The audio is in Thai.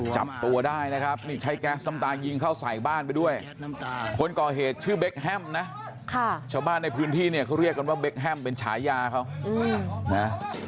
จับตัวได้นะครับนี่ใช้แก๊สน้ำตายิงเข้าใส่บ้านไปด้วยคนก่อเหตุชื่อเบคแฮมนะชาวบ้านในพื้นที่เนี่ยเขาเรียกกันว่าเบคแฮมเป็นฉายาเขานะ